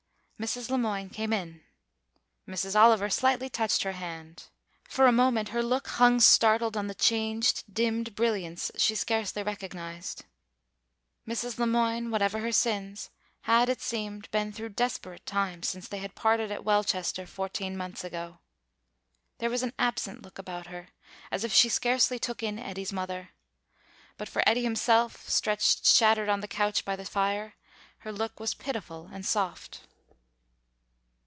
Mrs. Le Moine came in. Mrs. Oliver slightly touched her hand. For a moment her look hung startled on the changed, dimmed brilliance she scarcely recognised. Mrs. Le Moine, whatever her sins, had, it seemed, been through desperate times since they had parted at Welchester fourteen months ago. There was an absent look about her, as if she scarcely took in Eddy's mother. But for Eddy himself, stretched shattered on the couch by the fire, her look was pitiful and soft.